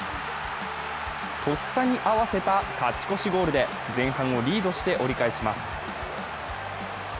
とっさに合わせた勝ち越しゴールで前半をリードして折り返します。